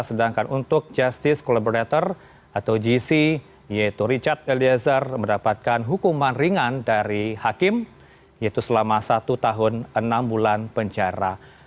sedangkan untuk justice collaborator atau gc yaitu richard eliezer mendapatkan hukuman ringan dari hakim yaitu selama satu tahun enam bulan penjara